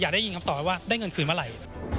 อยากได้ยินครับต่อว่าได้เงินคืนเมื่อไหร่